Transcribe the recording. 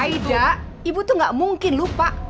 aida ibu tuh gak mungkin lupa